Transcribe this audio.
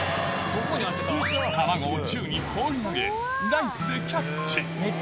卵を宙に放り投げライスでキャッチ